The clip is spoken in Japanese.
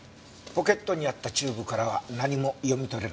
ポケットにあったチューブからは何も読み取れなかった。